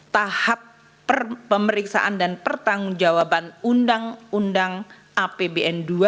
tahap pemeriksaan dan pertanggungjawaban undang undang apbn